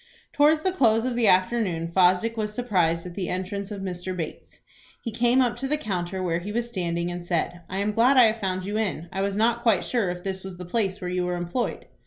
Towards the close of the afternoon, Fosdick was surprised at the entrance of Mr. Bates. He came up to the counter where he was standing, and said, "I am glad I have found you in. I was not quite sure if this was the place where you were employed."